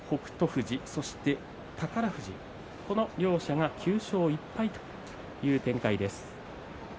富士と宝富士この両者が９勝１敗という展開です